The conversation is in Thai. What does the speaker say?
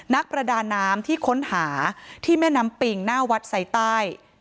นักประดาน้ำที่ค้นหาที่แม่น้ำปิงหน้าวัดไซใต้